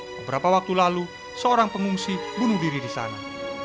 beberapa waktu lalu seorang pengungsi bunuh diri di sana